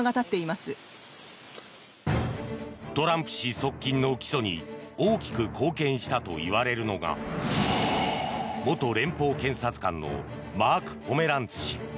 側近の起訴に大きく貢献したといわれるのが元連邦検察官のマーク・ポメランツ氏。